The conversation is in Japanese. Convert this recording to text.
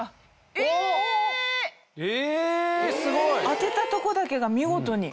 当てたとこだけが見事に。